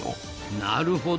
なるほど。